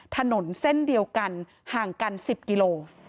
ถนนเส้นเดียวกันห่างกัน๑๐กิโล